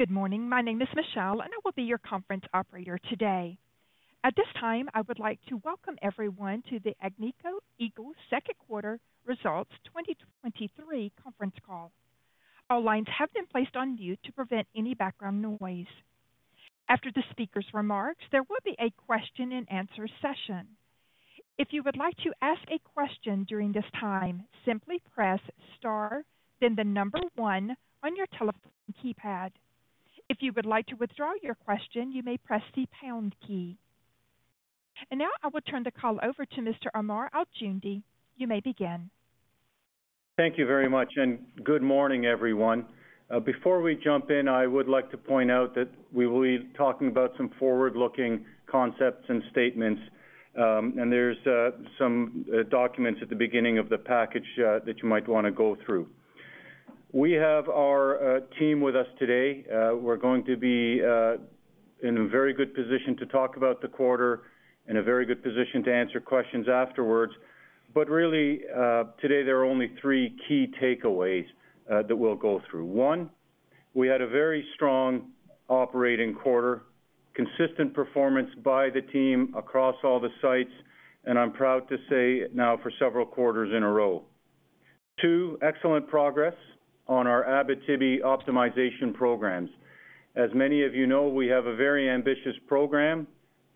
Good morning. My name is Michelle. I will be your conference operator today. At this time, I would like to welcome everyone to the Agnico Eagle Second Quarter Results 2023 Conference Call. All lines have been placed on mute to prevent any background noise. After the speaker's remarks, there will be a question-and-answer session. If you would like to ask a question during this time, simply press Star, then one on your telephone keypad. If you would like to withdraw your question, you may press the pound key. Now I will turn the call over to Mr. Ammar Al-Joundi. You may begin. Thank you very much. Good morning, everyone. Before we jump in, I would like to point out that we will be talking about some forward-looking concepts and statements, and there's some documents at the beginning of the package that you might want to go through. We have our team with us today. We're going to be in a very good position to talk about the quarter, in a very good position to answer questions afterwards. Really, today, there are only three key takeaways that we'll go through. One, we had a very strong operating quarter, consistent performance by the team across all the sites, and I'm proud to say now, for several quarters in a row. Two, excellent progress on our Abitibi optimization programs. As many of you know, we have a very ambitious program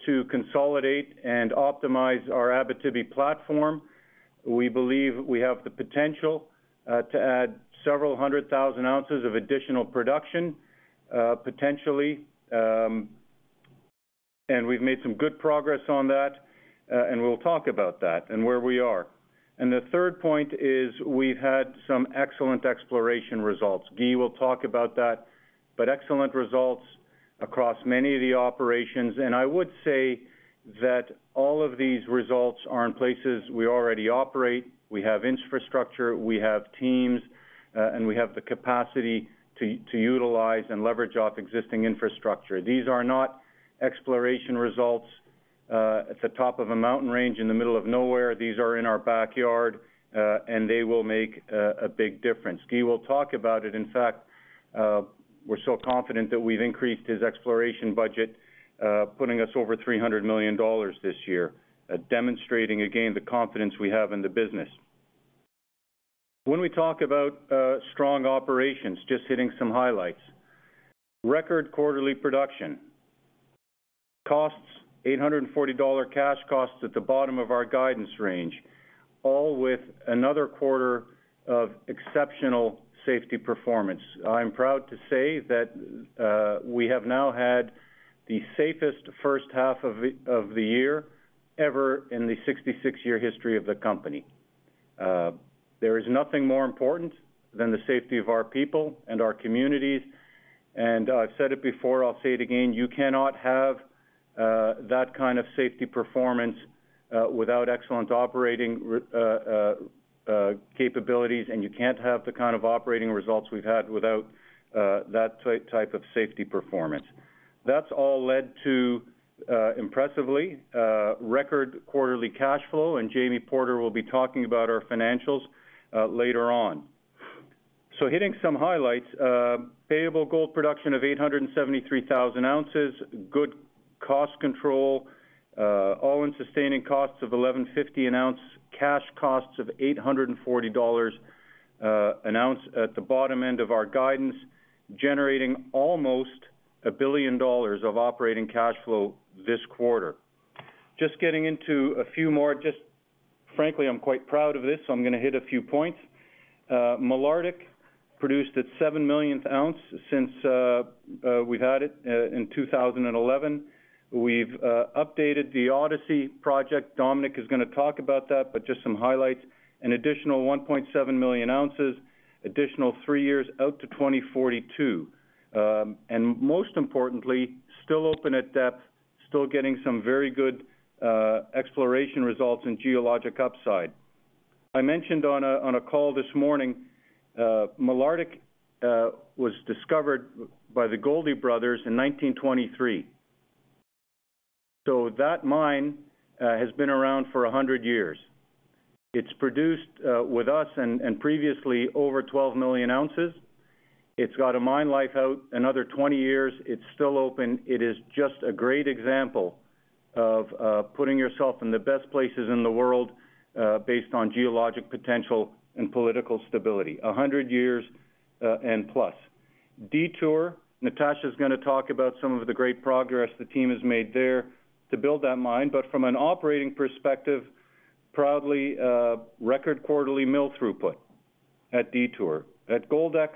to consolidate and optimize our Abitibi platform. We believe we have the potential to add several hundred thousand ounces of additional production, potentially, and we've made some good progress on that, and we'll talk about that and where we are. The third point is we've had some excellent exploration results. Guy will talk about that, but excellent results across many of the operations. I would say that all of these results are in places we already operate. We have infrastructure, we have teams, and we have the capacity to utilize and leverage off existing infrastructure. These are not exploration results at the top of a mountain range in the middle of nowhere. These are in our backyard, and they will make a big difference. Guy will talk about it. In fact, we're so confident that we've increased his exploration budget, putting us over $300 million this year, demonstrating again, the confidence we have in the business. When we talk about strong operations, just hitting some highlights, record quarterly production. Costs, $840 cash costs at the bottom of our guidance range, all with another quarter of exceptional safety performance. I'm proud to say that, we have now had the safest first half of the, of the year ever in the 66-year history of the company. There is nothing more important than the safety of our people and our communities. I've said it before, I'll say it again: you cannot have that kind of safety performance without excellent operating capabilities, and you can't have the kind of operating results we've had without that type of safety performance. That's all led to impressively record quarterly cash flow, and Jamie Porter will be talking about our financials later on. Hitting some highlights, payable gold production of 873,000 ounces, good cost control, all-in sustaining costs of $1,150 an ounce, cash costs of $840 an ounce at the bottom end of our guidance, generating almost $1 billion of operating cash flow this quarter. Just getting into a few more, frankly, I'm quite proud of this, so I'm going to hit a few points. Malartic produced its seven millionth ounce since we've had it in 2011. We've updated the Odyssey project. Dominique is going to talk about that, but just some highlights, an additional 1.7 million ounces, additional three years out to 2042. Most importantly, still open at depth, still getting some very good exploration results and geologic upside. I mentioned on a call this morning, Malartic was discovered by the Goldie brothers in 1923. That mine has been around for 100 years. It's produced with us and previously over 12 million ounces. It's got a mine life out another 20 years. It's still open. It is just a great example of putting yourself in the best places in the world based on geologic potential and political stability. 100 years and plus. Detour, Natasha is going to talk about some of the great progress the team has made there to build that mine, but from an operating perspective, proudly, record quarterly mill throughput at Detour. At Goldex,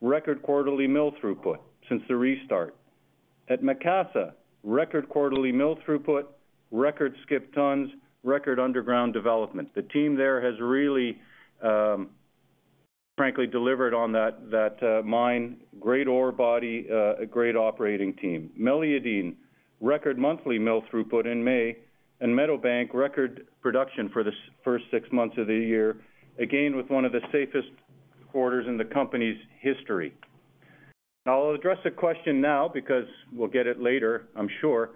record quarterly mill throughput since the restart. At Macassa, record quarterly mill throughput, record skip tons, record underground development. The team there has really, frankly, delivered on that mine, great ore body, a great operating team. Meliadine, record monthly mill throughput in May, Meadowbank, record production for the first six months of the year, again, with one of the safest quarters in the company's history. I'll address a question now because we'll get it later, I'm sure.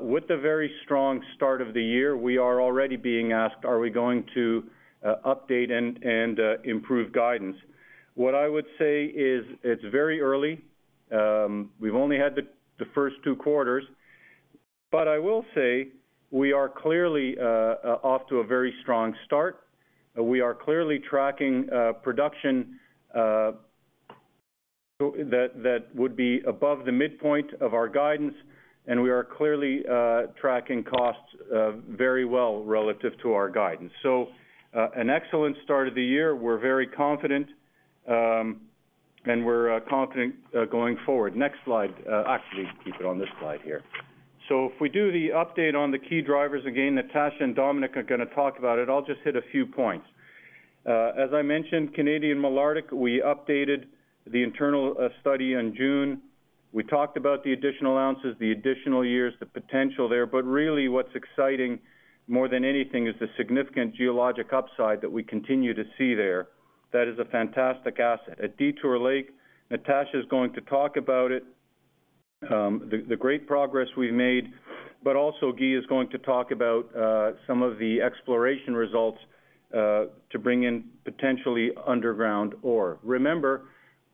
With the very strong start of the year, we are already being asked, are we going to update and improve guidance? What I would say is, it's very early. We've only had the first two quarters. I will say, we are clearly off to a very strong start. We are clearly tracking production so that would be above the midpoint of our guidance, and we are clearly tracking costs very well relative to our guidance. An excellent start of the year. We're very confident, and we're confident going forward. Next slide. Actually, keep it on this slide here. If we do the update on the key drivers, again, Natasha and Dominique are gonna talk about it. I'll just hit a few points. As I mentioned, Canadian Malartic, we updated the internal study in June. We talked about the additional ounces, the additional years, the potential there. Really, what's exciting more than anything is the significant geologic upside that we continue to see there. That is a fantastic asset. At Detour Lake, Natasha is going to talk about it, the great progress we've made, but also Guy is going to talk about some of the exploration results to bring in potentially underground ore. Remember,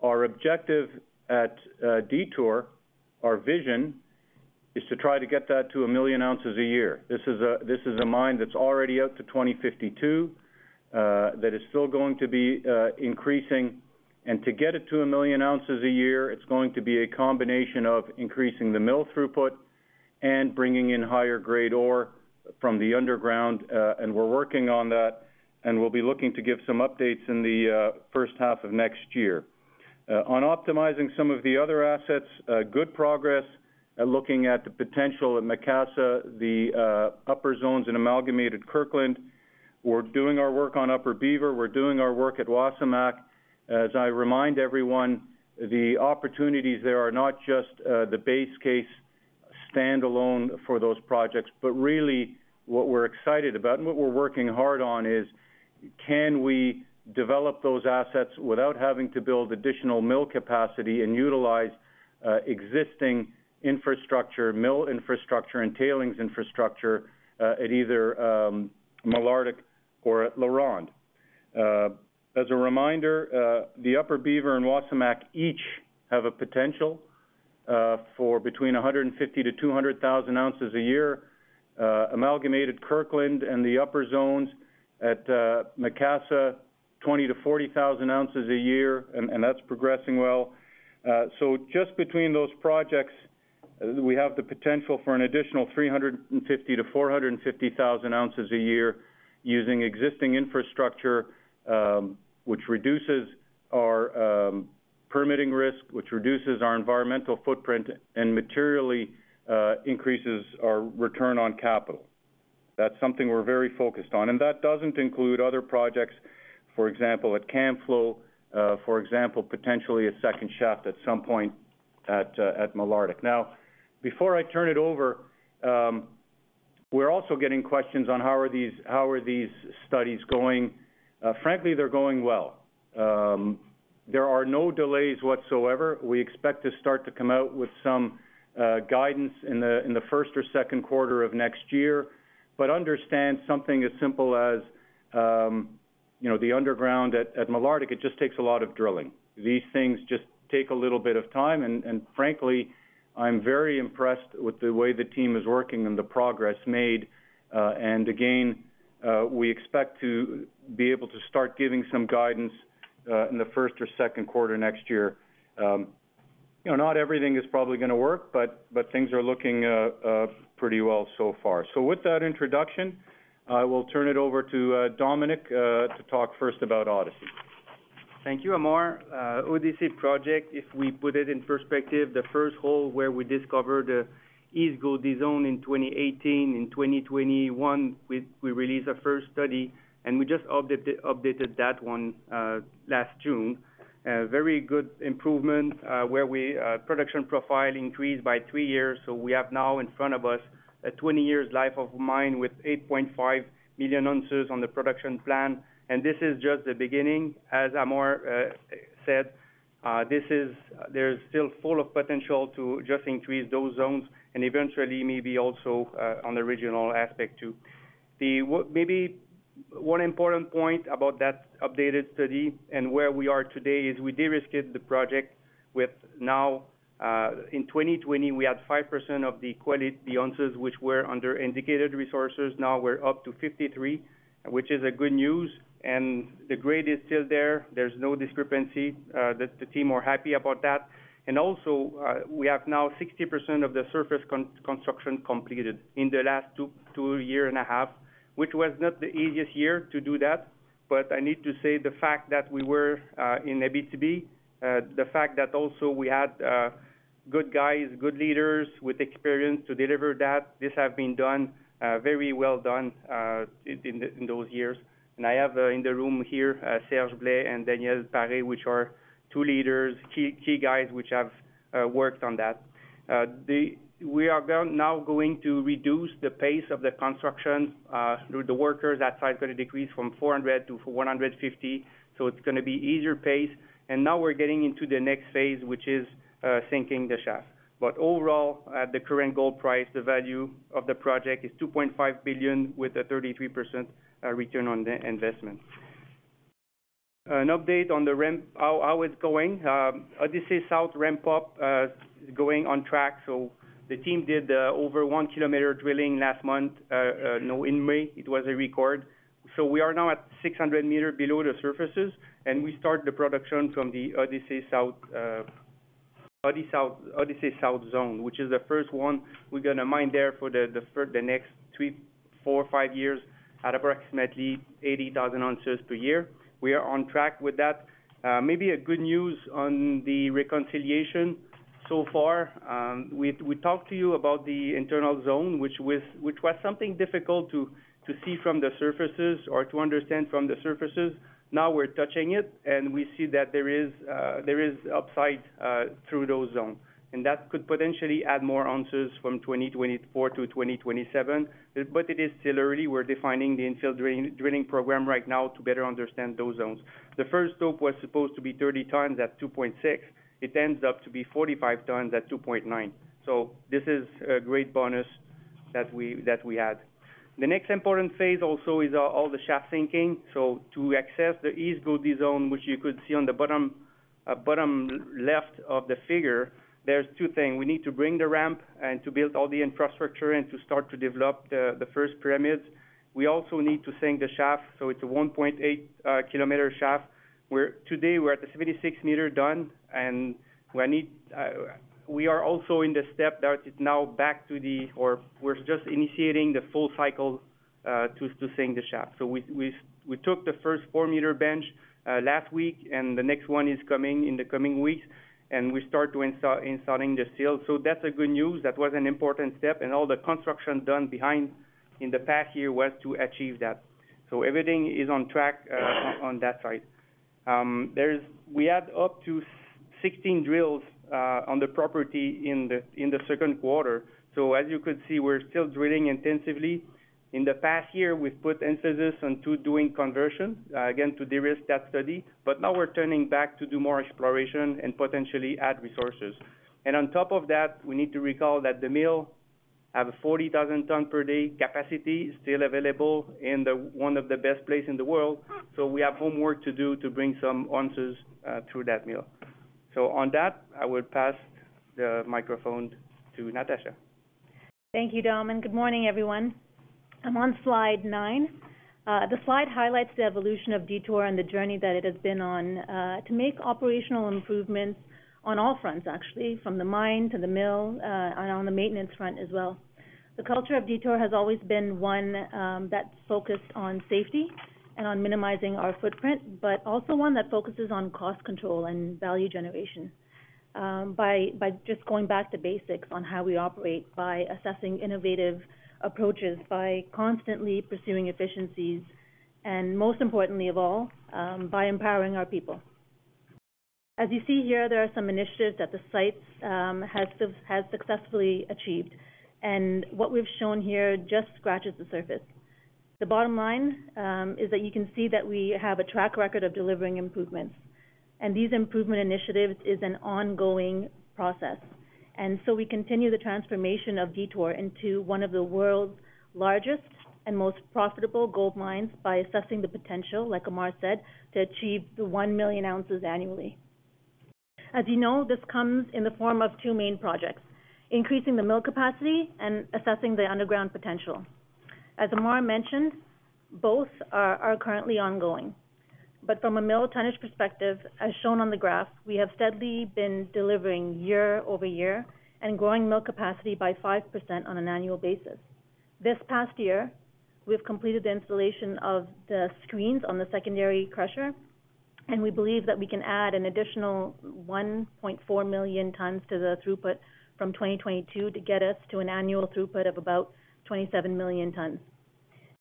our objective at Detour, our vision, is to try to get that to 1 million ounces a year. This is a mine that's already out to 2052 that is still going to be increasing. To get it to 1 million ounces a year, it's going to be a combination of increasing the mill throughput and bringing in higher grade ore from the underground, and we're working on that, and we'll be looking to give some updates in the first half of next year. On optimizing some of the other assets, good progress, looking at the potential at Macassa, the upper zones in Amalgamated Kirkland. We're doing our work on Upper Beaver. We're doing our work at Wasamac. I remind everyone, the opportunities there are not just the base case standalone for those projects. Really, what we're excited about, and what we're working hard on, is can we develop those assets without having to build additional mill capacity and utilize existing infrastructure, mill infrastructure and tailings infrastructure, at either Malartic or at LaRonde? As a reminder, the Upper Beaver and Wasamac each have a potential for between 150,000-200,000 ounces a year. Amalgamated Kirkland and the upper zones at Macassa, 20,000-40,000 ounces a year, and that's progressing well. Just between those projects, we have the potential for an additional 350,000-450,000 ounces a year using existing infrastructure, which reduces our permitting risk, which reduces our environmental footprint, and materially increases our return on capital. That's something we're very focused on, and that doesn't include other projects, for example, at Camflo, for example, potentially a second shaft at some point at Malartic. Before I turn it over, we're also getting questions on how are these studies going? Frankly, they're going well. There are no delays whatsoever. We expect to start to come out with some guidance in the first or second quarter of next year. Understand something as simple as, you know, the underground at Malartic, it just takes a lot of drilling. These things just take a little bit of time, and frankly, I'm very impressed with the way the team is working and the progress made. We expect to be able to start giving some guidance in the first or second quarter next year. You know, not everything is probably gonna work, but things are looking pretty well so far. I will turn it over to Dominique to talk first about Odyssey. Thank you, Ammar. Odyssey project, if we put it in perspective, the first hole where we discovered the East Gouldie zone in 2018, in 2021, we released our first study, we just updated that one last June. Very good improvement, where we production profile increased by three years, we have now in front of us a 20 years life of mine with 8.5 million ounces on the production plan, this is just the beginning. As Ammar said, there's still full of potential to just increase those zones and eventually, maybe also, on the regional aspect too. Maybe one important point about that updated study and where we are today is we de-risked the project with now. In 2020, we had 5% of the quality, the ounces, which were under indicated resources. Now we're up to 53, which is a good news, the grade is still there. There's no discrepancy, the team are happy about that. Also, we have now 60% of the surface construction completed in the last two year and a half, which was not the easiest year to do that. I need to say, the fact that we were in Abitibi, the fact that also we had good guys, good leaders with experience to deliver that, this have been done very well done in those years. I have in the room here Serge Blais and Daniel Paré, which are two leaders, key guys, which have worked on that. The, we are now going to reduce the pace of the construction through the workers. That side's gonna decrease from 400-150, so it's gonna be easier pace. Now we're getting into the next phase, which is sinking the shaft. Overall, at the current gold price, the value of the project is $2.5 billion, with a 33% return on the investment. An update on the ramp, how it's going. Odyssey South ramp up is going on track, so the team did over 1 km drilling last month. No, in May, it was a record. We are now at 600 m below the surface, and we start the production from the Odyssey South, Ody South, Odyssey South zone, which is the first one we're going to mine there for the next 3, 4, or 5 years at approximately 80,000 ounces per year. We are on track with that. Maybe a good news on the reconciliation so far, we talked to you about the internal zone, which was something difficult to see from the surface or to understand from the surface. Now we're touching it, and we see that there is upside through those zones, and that could potentially add more ounces from 2024 to 2027. It is still early, we're defining the infill drilling program right now to better understand those zones. The first stop was supposed to be 30 tons at 2.6. It ends up to be 45 tons at 2.9. This is a great bonus that we had. The next important phase also is all the shaft sinking. To access the East Gouldie zone, which you could see on the bottom, bottom left of the figure, there's two things. We need to bring the ramp and to build all the infrastructure and to start to develop the first pyramids. We also need to sink the shaft. It's a 1.8 km shaft, where today we're at the 76 m done, and we need. We are also in the step that is now we're just initiating the full cycle to sink the shaft. We took the first 4 m bench last week, the next one is coming in the coming weeks, we start installing the seal. That's a good news. That was an important step, all the construction done behind in the past year was to achieve that. Everything is on track on that side. We add up to 16 drills on the property in the second quarter. As you could see, we're still drilling intensively. In the past year, we've put emphasis on 2 doing conversion again, to de-risk that study. Now we're turning back to do more exploration and potentially add resources. On top of that, we need to recall that the mill have a 40,000 ton per day capacity still available in the, one of the best place in the world. We have homework to do to bring some ounces through that mill. On that, I will pass the microphone to Natasha. Thank you, Dom, good morning, everyone. I'm on slide nine. The slide highlights the evolution of Detour and the journey that it has been on, to make operational improvements on all fronts, actually, from the mine to the mill, and on the maintenance front as well. The culture of Detour has always been one that's focused on safety and on minimizing our footprint, but also one that focuses on cost control and value generation, by just going back to basics on how we operate, by assessing innovative approaches, by constantly pursuing efficiencies, and most importantly of all, by empowering our people. As you see here, there are some initiatives that the site has successfully achieved, and what we've shown here just scratches the surface. The bottom line is that you can see that we have a track record of delivering improvements, and these improvement initiatives is an ongoing process. We continue the transformation of Detour into one of the world's largest and most profitable gold mines by assessing the potential, like Ammar said, to achieve the 1 million ounces annually. You know, this comes in the form of two main projects: increasing the mill capacity and assessing the underground potential. Ammar mentioned, both are currently ongoing, but from a mill tonnage perspective, as shown on the graph, we have steadily been delivering year-over-year and growing mill capacity by 5% on an annual basis. This past year, we've completed the installation of the screens on the secondary crusher. We believe that we can add an additional 1.4 million tons to the throughput from 2022 to get us to an annual throughput of about 27 million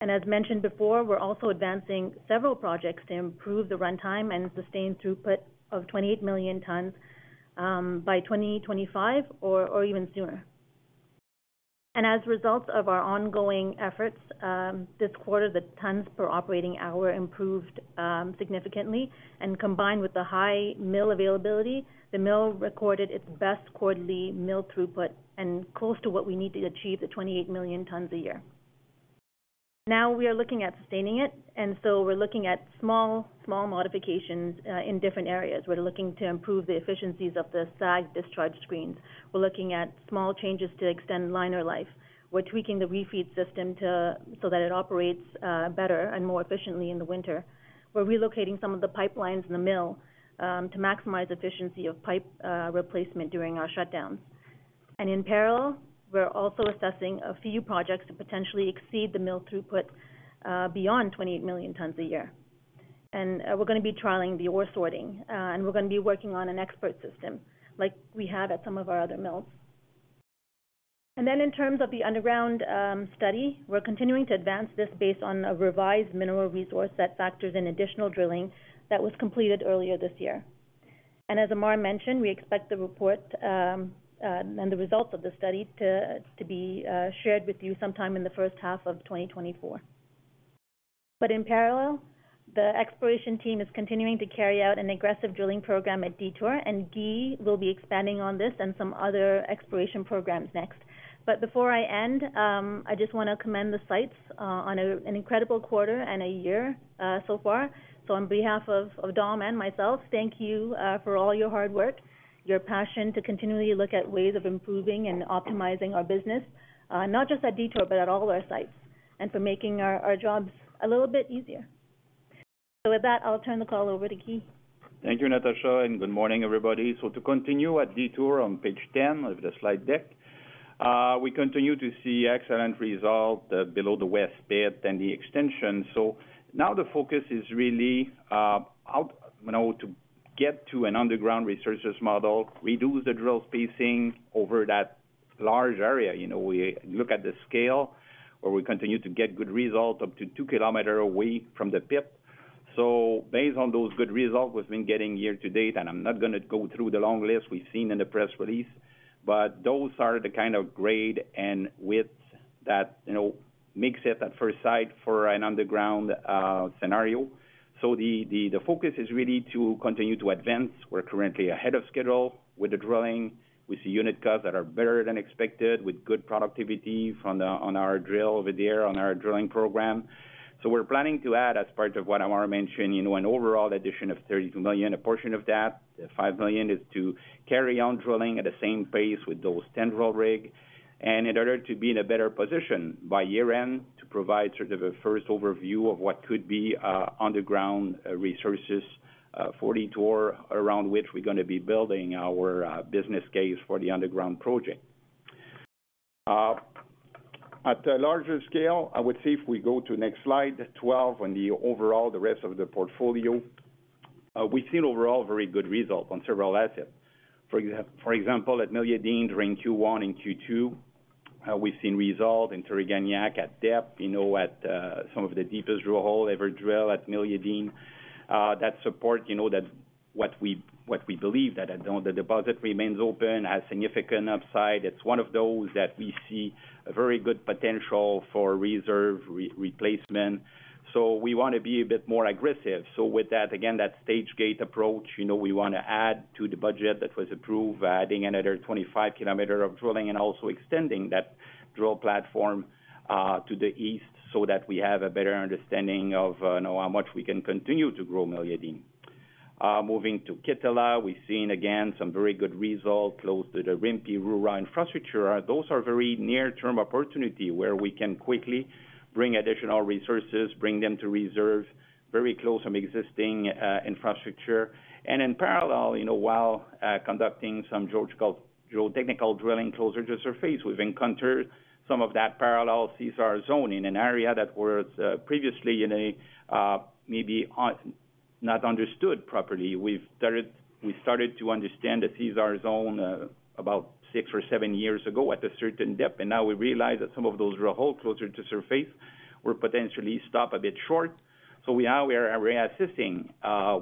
tons. As mentioned before, we're also advancing several projects to improve the runtime and sustain throughput of 28 million tons by 2025 or even sooner. As a result of our ongoing efforts, this quarter, the tons per operating hour improved significantly, and combined with the high mill availability, the mill recorded its best quarterly mill throughput and close to what we need to achieve the 28 million tons a year. Now we are looking at sustaining it, we're looking at small modifications in different areas. We're looking to improve the efficiencies of the SAG discharge screens. We're looking at small changes to extend liner life. We're tweaking the refeed system so that it operates better and more efficiently in the winter. We're relocating some of the pipelines in the mill to maximize efficiency of pipe replacement during our shutdowns. In parallel, we're also assessing a few projects to potentially exceed the mill throughput beyond 28 million tons a year. We're gonna be trialing the ore sorting and we're gonna be working on an expert system like we have at some of our other mills. In terms of the underground study, we're continuing to advance this based on a revised mineral resource that factors in additional drilling that was completed earlier this year. As Ammar mentioned, we expect the report and the results of the study to be shared with you sometime in the first half of 2024. In parallel, the exploration team is continuing to carry out an aggressive drilling program at Detour, and Guy will be expanding on this and some other exploration programs next. Before I end, I just wanna commend the sites on an incredible quarter and a year so far. On behalf of Dom and myself, thank you for all your hard work, your passion to continually look at ways of improving and optimizing our business, not just at Detour, but at all of our sites, and for making our jobs a little bit easier. With that, I'll turn the call over to Guy. Thank you, Natasha, and good morning, everybody. To continue at Detour on page 10 of the slide deck, we continue to see excellent result below the west pit and the extension. Now the focus is really out, you know, to get to an underground resources model, reduce the drill spacing over that large area. You know, we look at the scale, where we continue to get good results up to 2 km away from the pit. Based on those good results we've been getting year to date, and I'm not gonna go through the long list we've seen in the press release, but those are the kind of grade and width that, you know, makes it at first sight for an underground scenario. The focus is really to continue to advance. We're currently ahead of schedule with the drilling. We see unit costs that are better than expected, with good productivity from the, on our drill over there on our drilling program. We're planning to add, as part of what Ammar mentioned, you know, an overall addition of $32 million. A portion of that, $5 million, is to carry on drilling at the same pace with those 10 drill rig. In order to be in a better position by year-end, to provide sort of a first overview of what could be, underground resources, for Detour, around which we're going to be building our business case for the underground project. At a larger scale, I would say if we go to next slide, 12, on the overall, the rest of the portfolio, we've seen overall very good results on several assets. For example, at Meliadine, during Q1 and Q2, we've seen result in Tiriganiaq at depth, you know, at some of the deepest drill hole ever drill at Meliadine. That support, you know, that what we believe, that the deposit remains open, has significant upside. It's one of those that we see a very good potential for reserve replacement, we want to be a bit more aggressive. With that, again, that stage-gate approach, you know, we wanna add to the budget that was approved, adding another 25 km of drilling and also extending that drill platform to the east so that we have a better understanding of, you know, how much we can continue to grow Meliadine. Moving to Kittila, we've seen again, some very good results close to the Rimpi/Roura infrastructure. Those are very near-term opportunity, where we can quickly bring additional resources, bring them to reserve, very close some existing infrastructure. In parallel, you know, while conducting some geological, geotechnical drilling closer to surface, we've encountered some of that parallel Sisar zone in an area that was previously, you know, maybe not understood properly. We started to understand the Sisar zone about six or seven years ago at a certain depth. Now we realize that some of those drill holes closer to surface were potentially stop a bit short. We now we are, we are assessing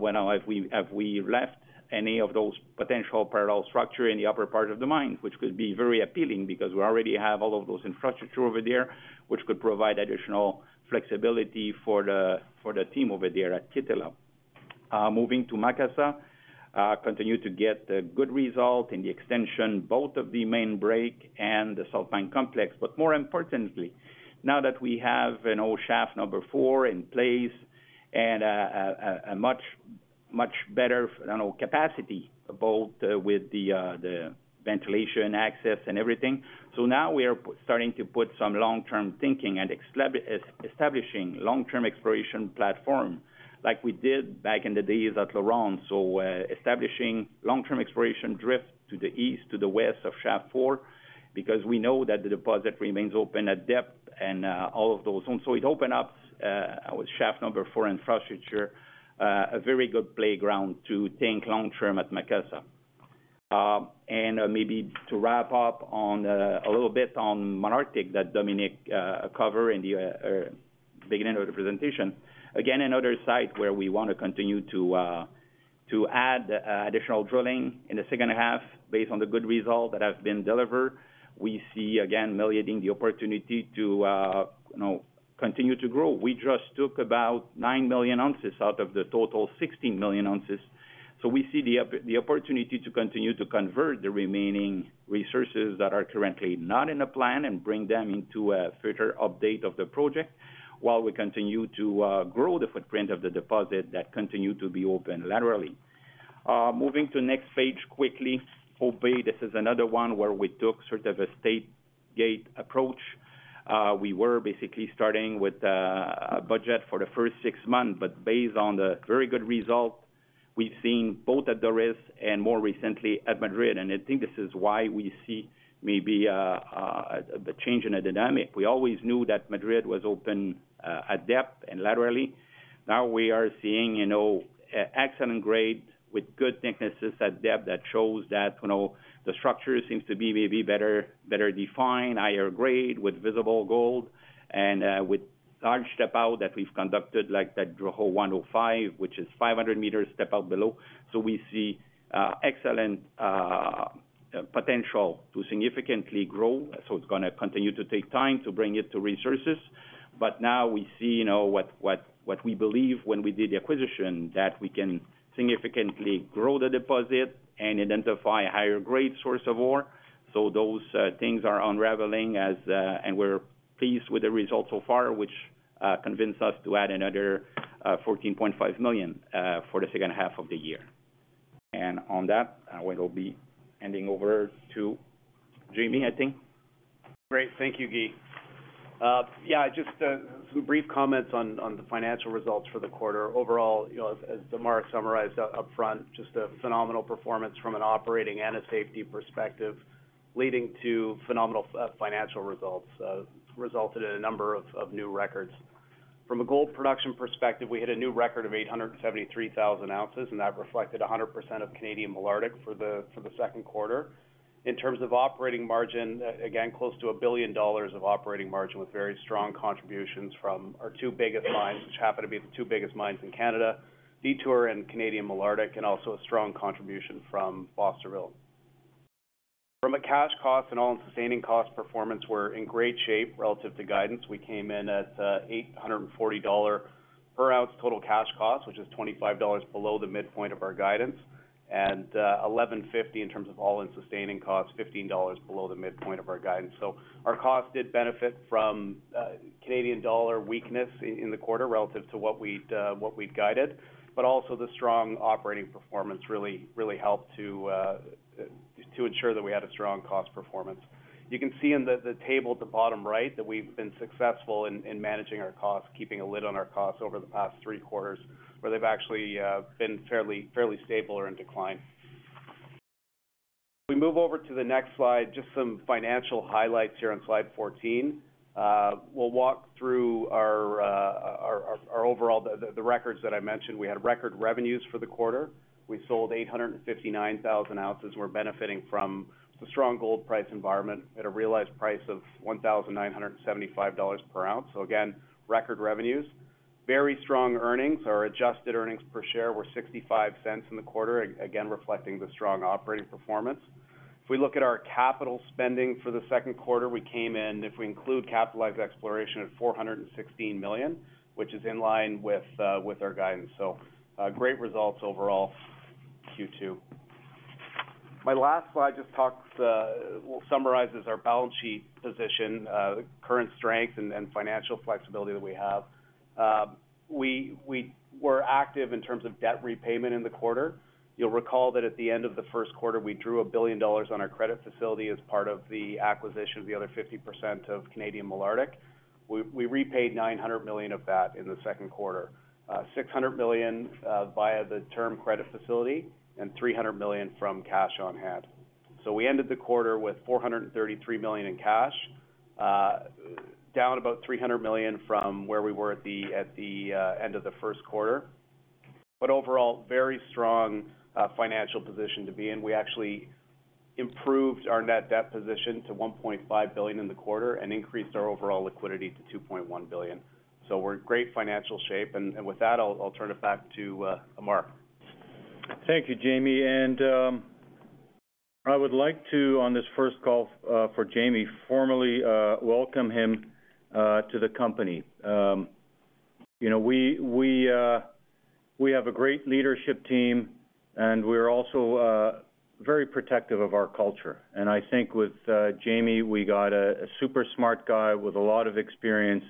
when if we have we left any of those potential parallel structure in the upper part of the mine, which could be very appealing because we already have all of those infrastructure over there, which could provide additional flexibility for the team over there at Kittila. Moving to Macassa, continue to get a good result in the extension, both of the main break and the salt mine complex. More importantly, now that we have, you know, shaft number four in place and a much, much better, I don't know, capacity, both with the ventilation access and everything. Now we are starting to put some long-term thinking and establishing long-term exploration platform, like we did back in the days at LaRonde. Establishing long-term exploration drift to the east, to the west of shaft four, because we know that the deposit remains open at depth and all of those. It opened up our shaft number four infrastructure, a very good playground to think long-term at Macassa. Maybe to wrap up on a little bit on Malartic, that Dominique cover in the beginning of the presentation. Again, another site where we want to continue to add additional drilling in the second half, based on the good results that have been delivered. We see, again, Meliadine, the opportunity to, you know, continue to grow. We just took about 9 million ounces out of the total 16 million ounces. We see the opportunity to continue to convert the remaining resources that are currently not in the plan and bring them into a future update of the project, while we continue to grow the footprint of the deposit that continue to be open laterally. Moving to next page quickly. Hope Bay, this is another one where we took sort of a stage-gate approach. We were basically starting with a budget for the first 6 months, but based on the very good results we've seen both at Doris and more recently at Madrid, and I think this is why we see maybe the change in the dynamic. We always knew that Madrid was open at depth and laterally. Now we are seeing, you know, excellent grade with good thicknesses at depth that shows that, you know, the structure seems to be maybe better, better defined, higher grade, with visible gold, and with large step out that we've conducted, like that drill hole 105, which is 500 m step out below. We see excellent potential to significantly grow, so it's gonna continue to take time to bring it to resources. Now we see, you know, what we believe when we did the acquisition, that we can significantly grow the deposit and identify a higher grade source of ore. Those things are unraveling as and we're pleased with the results so far, which convince us to add another $14.5 million for the second half of the year. On that, I will be handing over to Jamie, I think. Great. Thank you, Guy. Yeah, just some brief comments on the financial results for the quarter. Overall, you know, as Ammar summarized up, upfront, just a phenomenal performance from an operating and a safety perspective, leading to phenomenal financial results, resulted in a number of new records. From a gold production perspective, we hit a new record of 873,000 ounces. That reflected 100% of Canadian Malartic for the second quarter. In terms of operating margin, again, close to $1 billion of operating margin, with very strong contributions from our two biggest mines, which happen to be the two biggest mines in Canada, Detour and Canadian Malartic, and also a strong contribution from Fosterville. From a cash costs and all-in sustaining costs performance, we're in great shape relative to guidance. We came in at $840 per ounce total cash cost, which is $25 below the midpoint of our guidance, and $1,150 in terms of all-in sustaining costs, $15 below the midpoint of our guidance. Our cost did benefit from Canadian dollar weakness in the quarter, relative to what we'd what we'd guided, but also the strong operating performance really helped to ensure that we had a strong cost performance. You can see in the table at the bottom right, that we've been successful in managing our costs, keeping a lid on our costs over the past three quarters, where they've actually been fairly stable or in decline. We move over to the next slide, just some financial highlights here on slide 14. We'll walk through our overall the records that I mentioned. We had record revenues for the quarter. We sold 859,000 ounces. We're benefiting from the strong gold price environment at a realized price of $1,975 per ounce. Again, record revenues. Very strong earnings. Our adjusted earnings per share were $0.65 in the quarter, again, reflecting the strong operating performance. If we look at our capital spending for the second quarter, we came in, if we include capitalized exploration, at $416 million, which is in line with our guidance. Great results overall, Q2. My last slide just talks, well, summarizes our balance sheet position, the current strength and financial flexibility that we have. We were active in terms of debt repayment in the quarter. You'll recall that at the end of the first quarter, we drew $1 billion on our credit facility as part of the acquisition of the other 50% of Canadian Malartic. We repaid $900 million of that in the second quarter, $600 million via the term credit facility and $300 million from cash on hand. We ended the quarter with $433 million in cash, down about $300 million from where we were at the end of the first quarter. Overall, very strong financial position to be in. We actually improved our net debt position to $1.5 billion in the quarter and increased our overall liquidity to $2.1 billion. We're in great financial shape, and with that, I'll turn it back to Ammar. Thank you, Jamie. I would like to, on this first call, for Jamie, formally welcome him to the company. You know, we have a great leadership team, and we're also very protective of our culture. I think with Jamie, we got a super smart guy with a lot of experience,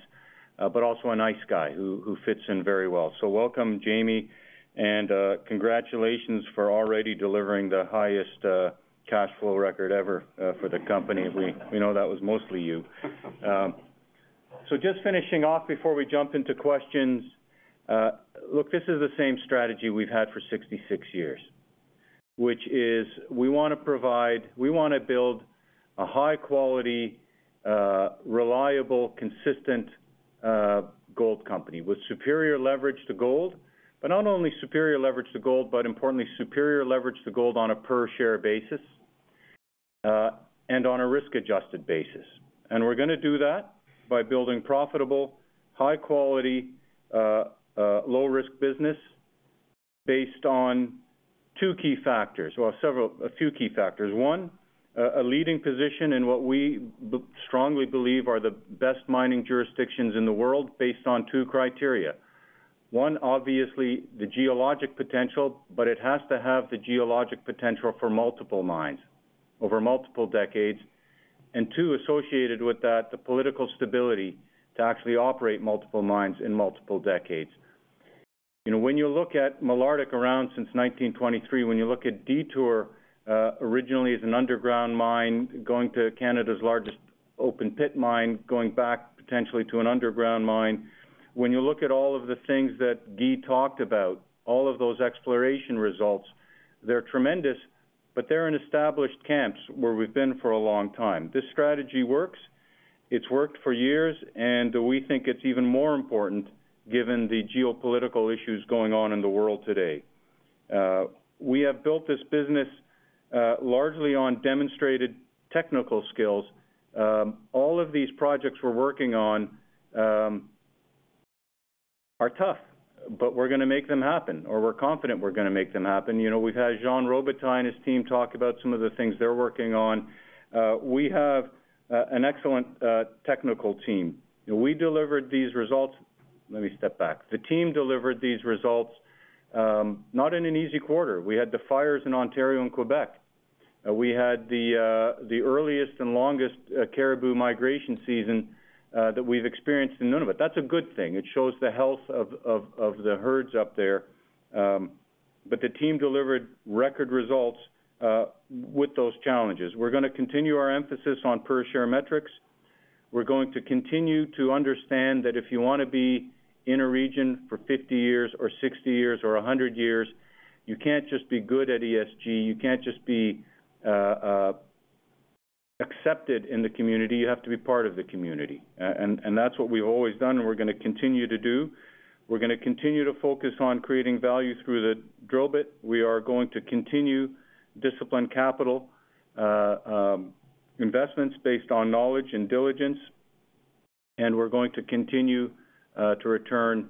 but also a nice guy who fits in very well. Welcome, Jamie, and congratulations for already delivering the highest cash flow record ever for the company. We know that was mostly you. Just finishing off before we jump into questions, look, this is the same strategy we've had for 66 years, which is we wanna build a high-quality, reliable, consistent gold company with superior leverage to gold. Not only superior leverage to gold, but importantly, superior leverage to gold on a per share basis, and on a risk-adjusted basis. We're gonna do that by building profitable, high quality, low-risk business based on two key factors, well, a few key factors. One, a leading position in what we strongly believe are the best mining jurisdictions in the world, based on two criteria: one, obviously, the geologic potential, but it has to have the geologic potential for multiple mines over multiple decades. Two, associated with that, the political stability to actually operate multiple mines in multiple decades. You know, when you look at Malartic around since 1923, when you look at Detour, originally as an underground mine, going to Canada's largest open pit mine, going back potentially to an underground mine. When you look at all of the things that Guy talked about, all of those exploration results, they're tremendous, but they're in established camps where we've been for a long time. This strategy works, it's worked for years, and we think it's even more important given the geopolitical issues going on in the world today. We have built this business largely on demonstrated technical skills. All of these projects we're working on are tough, but we're gonna make them happen, or we're confident we're gonna make them happen. You know, we've had Jean Robitaille and his team talk about some of the things they're working on. We have an excellent technical team. Let me step back. The team delivered these results, not in an easy quarter. We had the fires in Ontario and Quebec. We had the earliest and longest caribou migration season that we've experienced in Nunavut. That's a good thing. It shows the health of the herds up there. The team delivered record results with those challenges. We're gonna continue our emphasis on per share metrics. We're going to continue to understand that if you want to be in a region for 50 years or 60 years or 100 years, you can't just be good at ESG, you can't just be accepted in the community, you have to be part of the community. That's what we've always done, and we're gonna continue to do. We're gonna continue to focus on creating value through the drill bit. We are going to continue discipline capital investments based on knowledge and diligence, we're going to continue to return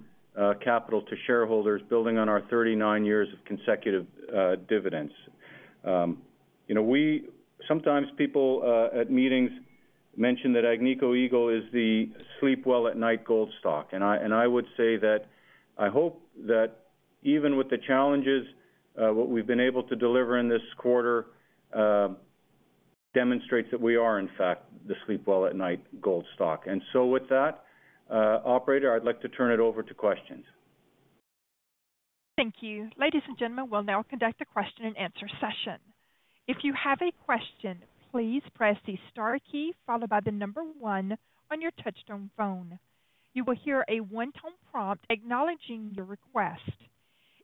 capital to shareholders, building on our 39 years of consecutive dividends. You know, sometimes people at meetings mention that Agnico Eagle is the sleep well at night gold stock. I, and I would say that I hope that even with the challenges, what we've been able to deliver in this quarter, demonstrates that we are, in fact, the sleep well at night gold stock. With that, operator, I'd like to turn it over to questions. Thank you. Ladies and gentlemen, we'll now conduct a question and answer session. If you have a question, please press the star key, followed by the number one on your touchtone phone. You will hear a one-tone prompt acknowledging your request.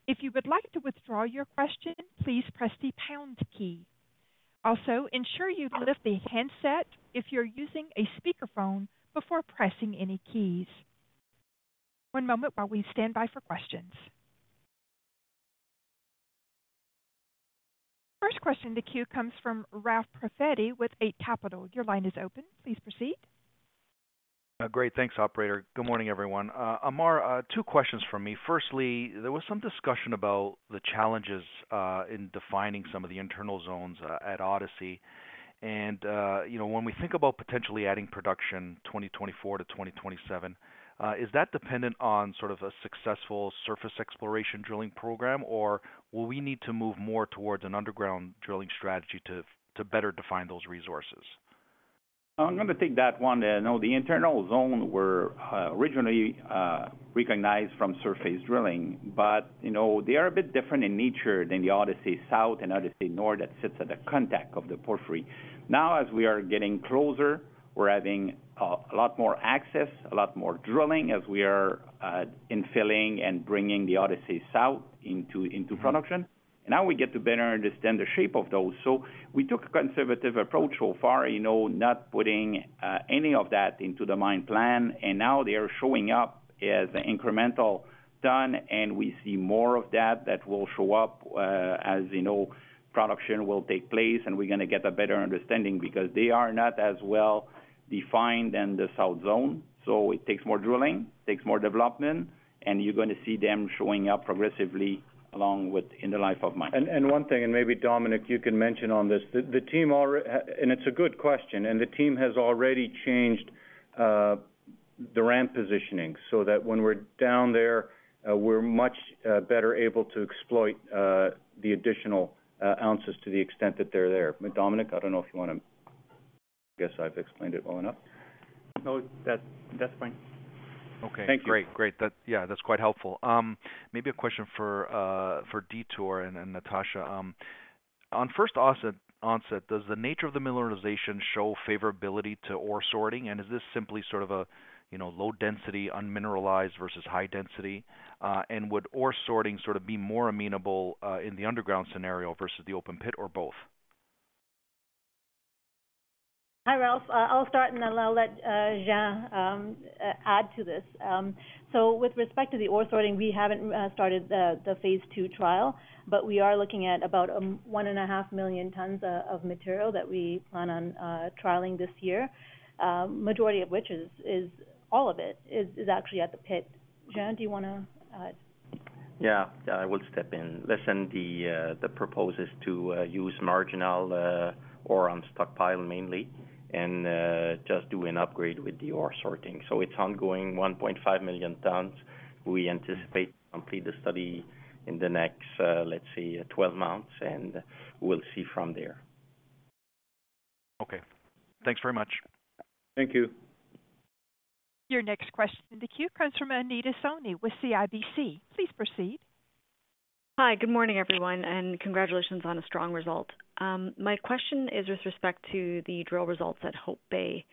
If you would like to withdraw your question, please press the pound key. Also, ensure you lift the handset if you're using a speakerphone before pressing any keys. One moment while we stand by for questions. First question in the queue comes from Ralph Profiti with Eight Capital. Your line is open. Please proceed. Great. Thanks, operator. Good morning, everyone. Ammar, two questions from me. Firstly, there was some discussion about the challenges in defining some of the internal zones at Odyssey. You know, when we think about potentially adding production 2024 to 2027, is that dependent on sort of a successful surface exploration drilling program, or will we need to move more towards an underground drilling strategy to better define those resources? I'm gonna take that one. No, the internal zone were originally recognized from surface drilling, you know, they are a bit different in nature than the Odyssey South and Odyssey North that sits at the contact of the porphyry. Now, as we are getting closer, we're having a lot more access, a lot more drilling as we are infilling and bringing the Odyssey South into production. Now we get to better understand the shape of those. We took a conservative approach so far, you know, not putting any of that into the mine plan. Now they are showing up as incremental done. We see more of that that will show up as, you know, production will take place, and we're gonna get a better understanding because they are not as well defined in the South zone. It takes more drilling, takes more development, and you're going to see them showing up progressively along with in the life of mine. One thing, and maybe, Dominic, you can mention on this. The team, and it's a good question, and the team has already changed the ramp positioning so that when we're down there, we're much better able to exploit the additional ounces to the extent that they're there. Dominic, I don't know if you want to. I guess I've explained it well enough. No, that, that's fine. Okay. Thank you. Great. Great. Yeah, that's quite helpful. Maybe a question for Detour and Natasha. On first onset, does the nature of the mineralization show favorability to ore sorting? Is this simply sort of a, you know, low density, unmineralized versus high density? Would ore sorting sort of be more amenable in the underground scenario versus the open pit or both? Hi, Ralph. I'll start, and then I'll let Guy add to this. With respect to the ore sorting, we haven't started the phase two trial, but we are looking at about 1.5 million tons of material that we plan on trialing this year, majority of which is, is all of it, is, is actually at the pit. Guy, do you want to add? Yeah, I will step in. Listen, the proposal is to use marginal ore on stockpile mainly, and just do an upgrade with the ore sorting. It's ongoing, 1.5 million tons. We anticipate to complete the study in the next, let's say, 12 months, and we'll see from there. Okay. Thanks very much. Thank you. Your next question in the queue comes from Anita Soni with CIBC. Please proceed. Hi, good morning, everyone, and congratulations on a strong result. My question is with respect to the drill results at Hope Bay.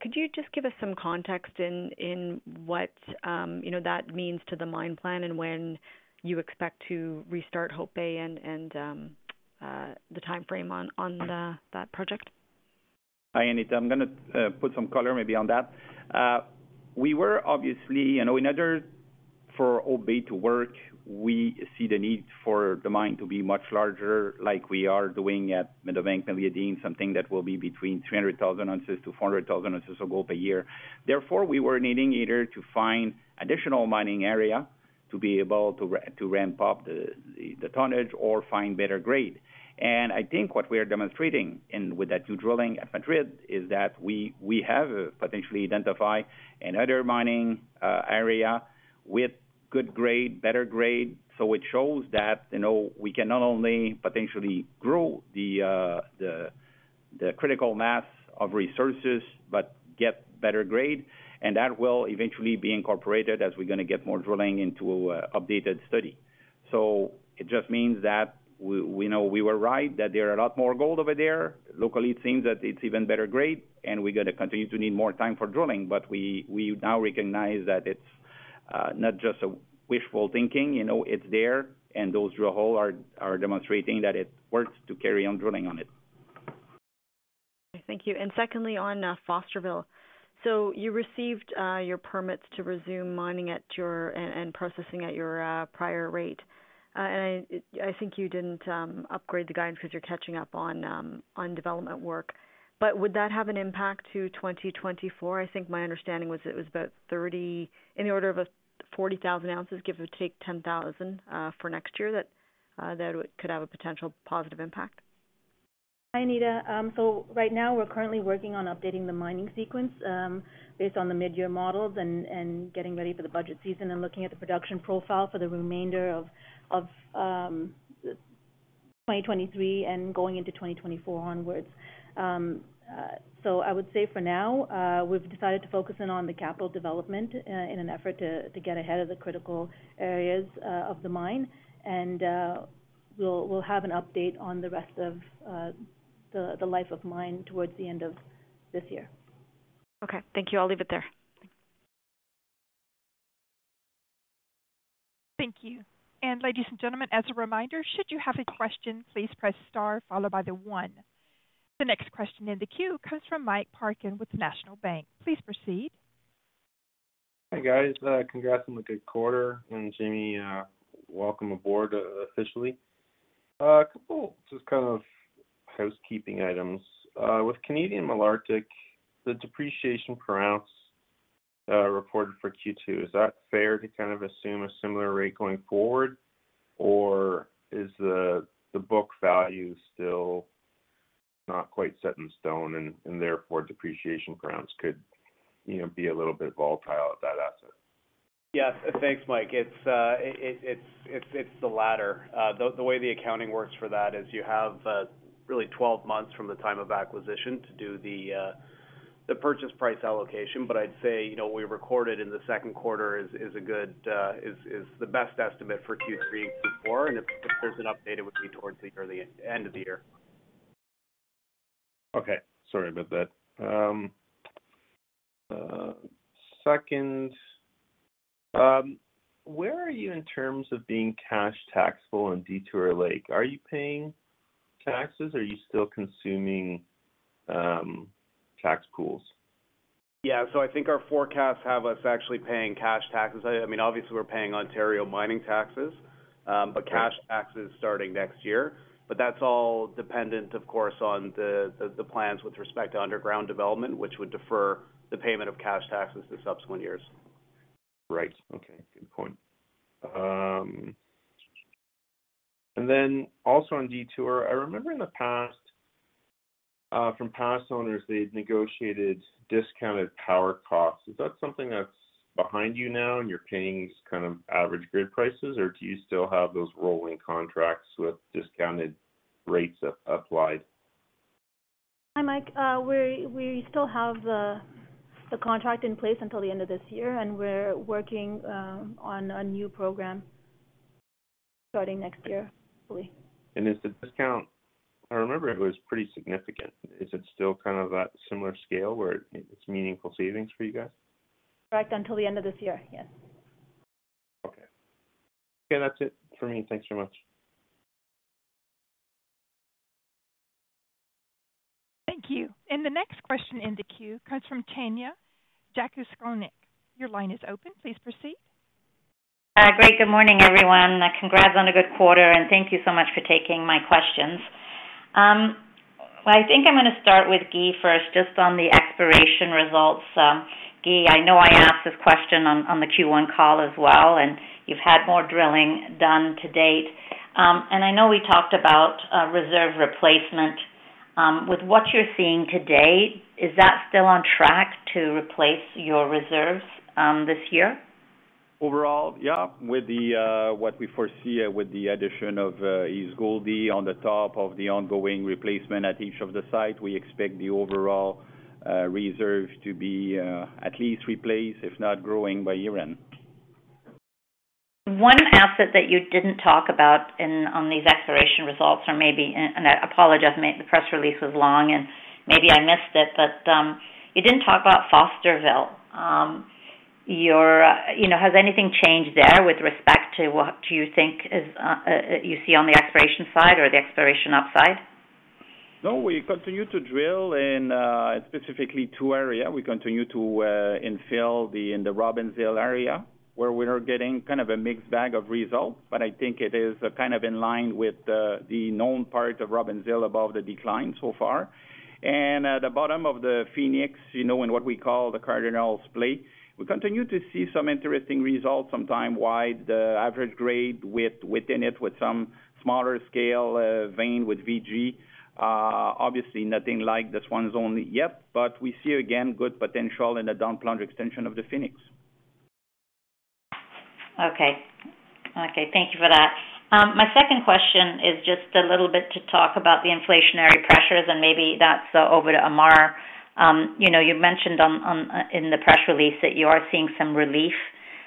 Could you just give us some context in what, you know, that means to the mine plan and when you expect to restart Hope Bay and the time frame on the project? Hi, Anita. I'm gonna put some color maybe on that. We were obviously, you know, in order for Hope Bay to work, we see the need for the mine to be much larger, like we are doing at Meadowbank and Meliadine, something that will be between 300,000-400,000 ounces of gold per year. Therefore, we were needing either to find additional mining to be able to ramp up the tonnage or find better grade. I think what we are demonstrating in, with that new drilling at Madrid, is that we, we have potentially identified another mining area with good grade, better grade. It shows that, you know, we can not only potentially grow the, the, the critical mass of resources, but get better grade, and that will eventually be incorporated as we're gonna get more drilling into an updated study. It just means that we, we know we were right, that there are a lot more gold over there. Locally, it seems that it's even better grade, and we're gonna continue to need more time for drilling, but we, we now recognize that it's not just a wishful thinking, you know, it's there, and those drill hole are demonstrating that it works to carry on drilling on it. Thank you. Secondly, on Fosterville. You received your permits to resume mining at your, and processing at your prior rate. I think you didn't upgrade the guidance 'cause you're catching up on development work. Would that have an impact to 2024? I think my understanding was it was about 30, in the order of 40,000 ounces, give or take 10,000, for next year, that could have a potential positive impact. Hi, Anita. Right now, we're currently working on updating the mining sequence, based on the mid-year models and getting ready for the budget season and looking at the production profile for the remainder of 2023 and going into 2024 onwards. I would say for now, we've decided to focus in on the capital development, in an effort to get ahead of the critical areas of the mine. We'll have an update on the rest of the life of mine towards the end of this year. Okay. Thank you. I'll leave it there. Thank you. Ladies and gentlemen, as a reminder, should you have a question, please press star followed by the one. The next question in the queue comes from Mike Parkin with National Bank. Please proceed. Hi, guys. congrats on the good quarter, and Jamie, welcome aboard, officially. A couple just kind of housekeeping items. With Canadian Malartic, the depreciation per ounce, reported for Q2, is that fair to kind of assume a similar rate going forward? Or is the book value still not quite set in stone and therefore depreciation per ounce could, you know, be a little bit volatile at that asset? Yes. Thanks, Mike. It's the latter. The way the accounting works for that is you have really 12 months from the time of acquisition to do the purchase price allocation. I'd say, you know, what we recorded in the second quarter is a good, is the best estimate for Q3 and Q4, and if there's an update, it would be towards the early end of the year. Sorry about that. Second, where are you in terms of being cash taxable on Detour Lake? Are you paying taxes? Are you still consuming tax pools? Yeah, I think our forecasts have us actually paying cash taxes. I mean, obviously, we're paying Ontario mining taxes. Right. Cash taxes starting next year. That's all dependent, of course, on the plans with respect to underground development, which would defer the payment of cash taxes to subsequent years. Right. Okay, good point. Also on Detour, I remember in the past, from past owners, they've negotiated discounted power costs. Is that something that's behind you now, and you're paying kind of average grid prices, or do you still have those rolling contracts with discounted rates applied? Hi, Mike. We still have the contract in place until the end of this year, and we're working on a new program starting next year, hopefully. I remember it was pretty significant. Is it still kind of that similar scale, where it's meaningful savings for you guys? Correct. Until the end of this year. Yes. Okay. Okay, that's it for me. Thanks so much. Thank you. The next question in the queue comes from Tanya Jakusconek. Your line is open. Please proceed. Great. Good morning, everyone, and congrats on a good quarter, and thank you so much for taking my questions. Well, I think I'm gonna start with Guy first, just on the exploration results. Guy, I know I asked this question on, on the Q1 call as well, and you've had more drilling done to date. I know we talked about reserve replacement. With what you're seeing to date, is that still on track to replace your reserves this year? Overall, yeah. With what we foresee with the addition of East Goldie on the top of the ongoing replacement at each of the site, we expect the overall reserve to be at least replaced, if not growing by year-end. One asset that you didn't talk about in, on these exploration results, or maybe, and, and I apologize, the press release was long and maybe I missed it, but, you didn't talk about Fosterville. Your, you know, has anything changed there with respect to what you think is, you see on the exploration side or the exploration upside? We continue to drill in, specifically two area. We continue to, infill the, in the Robbins Hill area, where we are getting kind of a mixed bag of results, but I think it is kind of in line with the, the known part of Robbins Hill above the decline so far. At the bottom of the Phoenix, you know, in what we call the Cardinal Play, we continue to see some interesting results, sometime wide, the average grade within it, with some smaller scale, vein with VG. Obviously, nothing like the Swan Zone yet, but we see, again, good potential in the downplunge extension of the Phoenix. Okay. Okay, thank you for that. My second question is just a little bit to talk about the inflationary pressures, and maybe that's over to Ammar. You know, you've mentioned on, on in the press release that you are seeing some relief.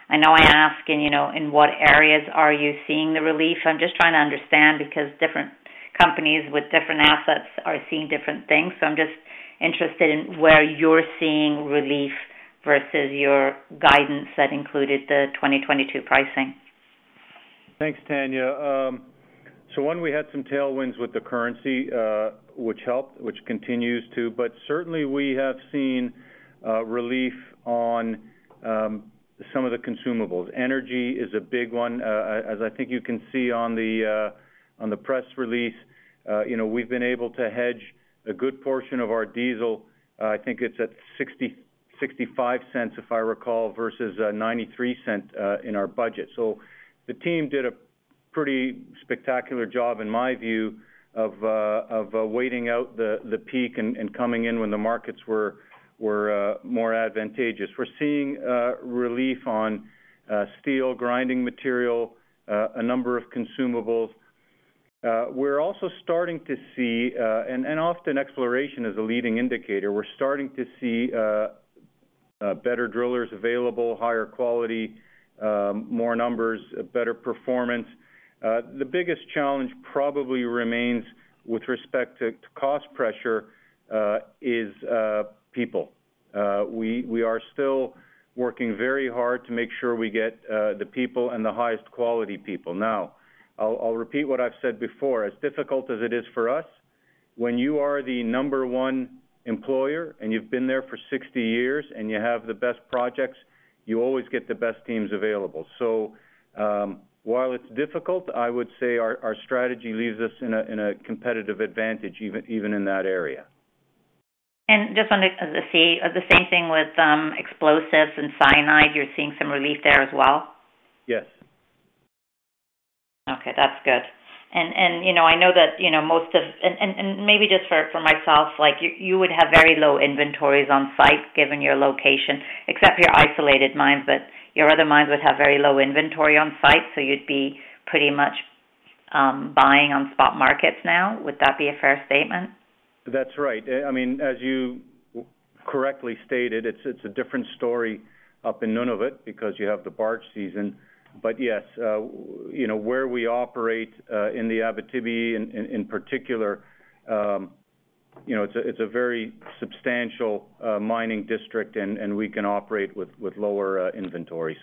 I know I ask, you know, in what areas are you seeing the relief? I'm just trying to understand because different companies with different assets are seeing different things. I'm just interested in where you're seeing relief versus your guidance that included the 2022 pricing. Thanks, Tanya. One, we had some tailwinds with the currency, which helped, which continues to, but certainly, we have seen relief on some of the consumables. Energy is a big one. As I think you can see on the press release, you know, we've been able to hedge a good portion of our diesel. I think it's at $0.60-$0.65, if I recall, versus $0.93 in our budget. The team did a pretty spectacular job, in my view, of waiting out the peak and coming in when the markets were more advantageous. We're seeing relief on steel, grinding material, a number of consumables. We're also starting to see. Often exploration is a leading indicator. We're starting to see better drillers available, higher quality, more numbers, a better performance. The biggest challenge probably remains with respect to, to cost pressure, is people. We are still working very hard to make sure we get the people and the highest quality people. Now, I'll repeat what I've said before, as difficult as it is for us, when you are the number one employer, and you've been there for 60 years, and you have the best projects, you always get the best teams available. While it's difficult, I would say our strategy leaves us in a competitive advantage, even, even in that area. Just on the same thing with explosives and cyanide, you're seeing some relief there as well? Yes. Okay, that's good. You know, I know that, you know, And maybe just for, for myself, like, you would have very low inventories on site, given your location, except your isolated mines, but your other mines would have very low inventory on site, so you'd be pretty much, buying on spot markets now. Would that be a fair statement? That's right. I mean, as you correctly stated, it's, it's a different story up in Nunavut because you have the barge season. Yes, you know, where we operate, in the Abitibi, in particular, you know, it's a very substantial, mining district, and we can operate with lower, inventory.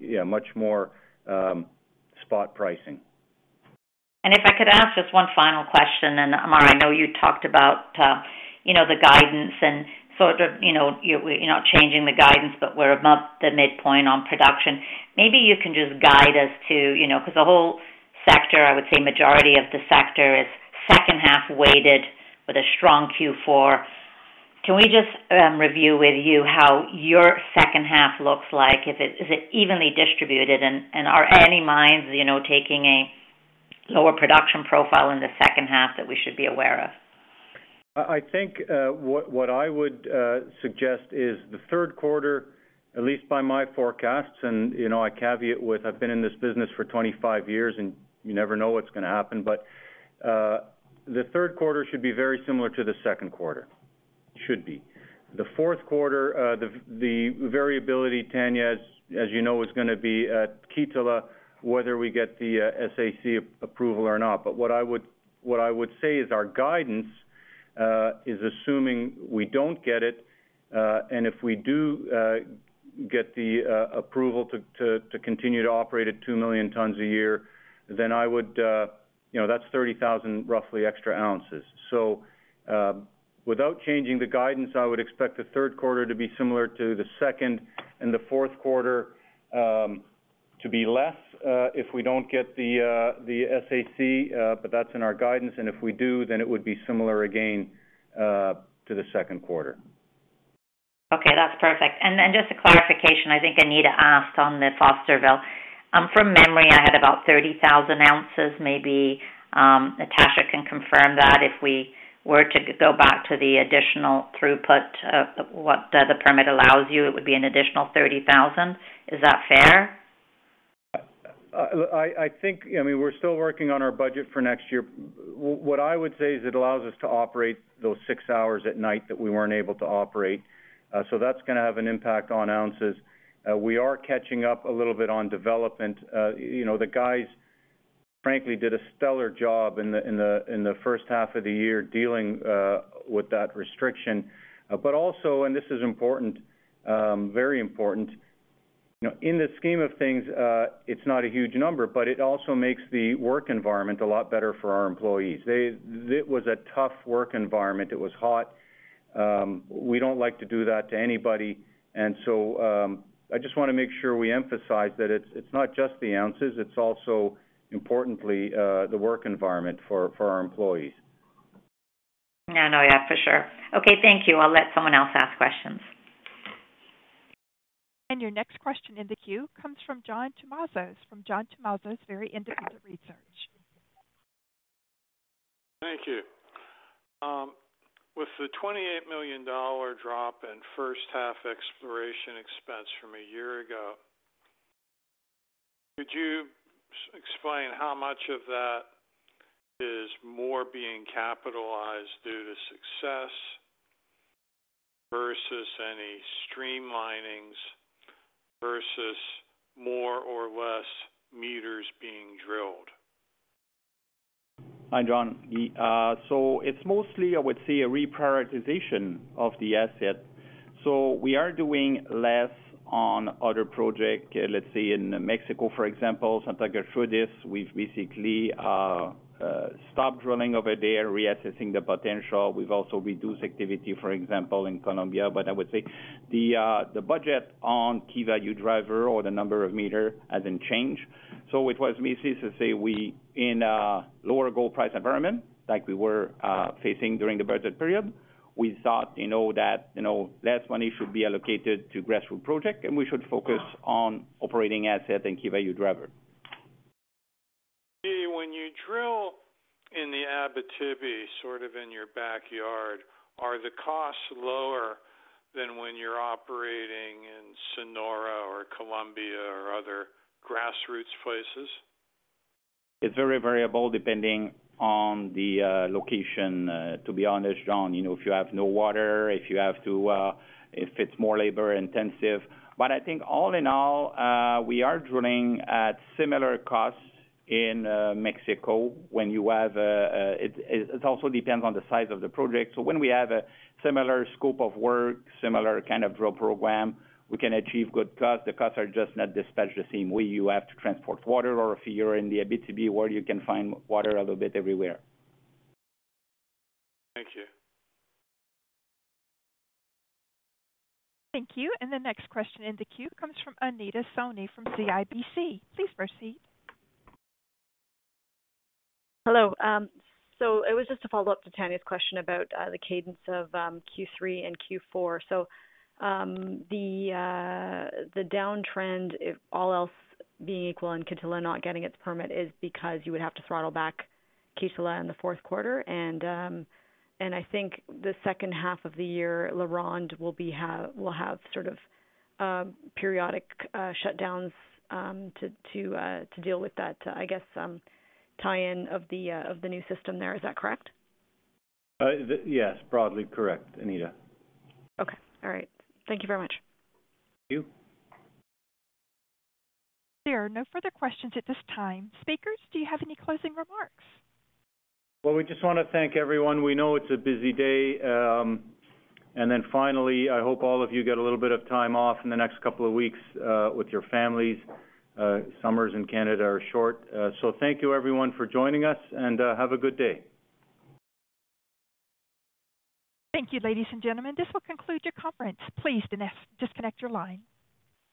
Yeah, much more, spot pricing. If I could ask just 1 final question, Ammar, I know you talked about, you know, the guidance and sort of, you know, you're not changing the guidance, but we're above the midpoint on production. Maybe you can just guide us to, you know, because the whole sector, I would say, majority of the sector is second half weighted with a strong Q4. Can we just review with you how your second half looks like? Is it evenly distributed? Are any mines, you know, taking a lower production profile in the second half that we should be aware of? I think what I would suggest is the third quarter, at least by my forecasts, and, you know, I caveat with, I've been in this business for 25 years, and you never know what's going to happen. The third quarter should be very similar to the second quarter. Should be. The fourth quarter, the variability, Tanya, as you know, is gonna be at Kittila, whether we get the SAC approval or not. What I would say is our guidance is assuming we don't get it, and if we do get the approval to continue to operate at 2 million tons a year, then I would, you know, that's 30,000, roughly, extra ounces. Without changing the guidance, I would expect the third quarter to be similar to the second and the fourth quarter, to be less, if we don't get the SAC, but that's in our guidance, and if we do, then it would be similar again, to the second quarter. Okay, that's perfect. Just a clarification, I think Anita asked on the Fosterville. From memory, I had about 30,000 ounces. Maybe Natasha can confirm that if we were to go back to the additional throughput of what the permit allows you, it would be an additional 30,000. Is that fair? I think, I mean, we're still working on our budget for next year. What I would say is it allows us to operate those 6 hours at night that we weren't able to operate, so that's gonna have an impact on ounces. We are catching up a little bit on development. You know, the guys, frankly, did a stellar job in the first half of the year, dealing with that restriction. Also, and this is important, very important. You know, in the scheme of things, it's not a huge number, but it also makes the work environment a lot better for our employees. It was a tough work environment. It was hot. We don't like to do that to anybody. I just wanna make sure we emphasize that it's not just the ounces, it's also importantly the work environment for our employees. No, no, yeah, for sure. Okay, thank you. I'll let someone else ask questions. Your next question in the queue comes from John Tumazos, from John Tumazos Very Independent Research. Thank you. With the $28 million drop in first half exploration expense from a year ago, could you explain how much of that is more being capitalized due to success, versus any streamlinings, versus more or less meters being drilled? Hi, John. It's mostly, I would say, a reprioritization of the asset. We are doing less on other project, let's say, in Mexico, for example, Santa Gertrudis, we've basically stopped drilling over there, reassessing the potential. We've also reduced activity, for example, in Colombia. I would say, the budget on key value driver or the number of meter hasn't changed. It was basically to say we, in a lower gold price environment, like we were facing during the budget period, we thought, you know, that, you know, less money should be allocated to grassroots project, and we should focus on operating asset and key value driver. When you drill in the Abitibi, sort of in your backyard, are the costs lower than when you're operating in Sonora or Colombia or other grassroots places? It's very variable, depending on the location, to be honest, John. You know, if you have no water, if you have to, if it's more labor intensive. I think all in all, we are drilling at similar costs in Mexico. When you have a, it also depends on the size of the project. When we have a similar scope of work, similar kind of drill program, we can achieve good costs. The costs are just not dispatched the same way. You have to transport water or if you're in the Abitibi, where you can find water a little bit everywhere. Thank you. Thank you. The next question in the queue comes from Anita Soni from CIBC. Please proceed. Hello. It was just a follow-up to Tanya's question about the cadence of Q3 and Q4. The downtrend, if all else being equal and Kittila not getting its permit, is because you would have to throttle back Kittila in the fourth quarter, and I think the second half of the year, LaRonde will have sort of periodic shutdowns to deal with that, I guess, tie in of the new system there. Is that correct? Yes, broadly correct, Anita. Okay. All right. Thank you very much. Thank you. There are no further questions at this time. Speakers, do you have any closing remarks? Well, we just wanna thank everyone. We know it's a busy day. Finally, I hope all of you get a little bit of time off in the next couple of weeks with your families. Summers in Canada are short. Thank you everyone for joining us, and have a good day. Thank you, ladies and gentlemen. This will conclude your conference. Please disconnect your line.